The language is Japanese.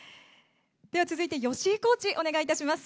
では続いて吉井コーチ、お願いいたします。